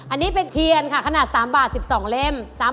อันนี้เป็นเทียนค่ะขนาด๓บาท๑๒เล่ม